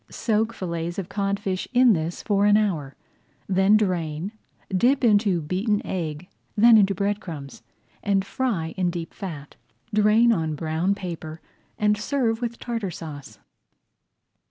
Soak fillets of codfish in this for an hour, then drain, dip into beaten egg, then into crumbs, and fry in deep fat. Drain on brown paper and serve with Tartar Sauce.